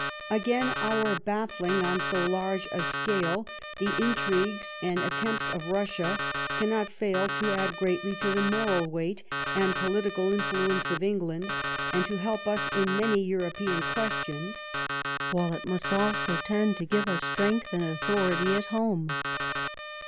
Again, our baffling on so large a scale the intrigues and attempts of Russia cannot fail to add greatly to the moral weight and political influence !of England, and to help us ia many European questions, while it must also tend te give us strength and authority at home.